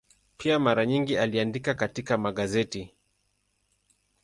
Pia mara nyingi aliandika katika magazeti.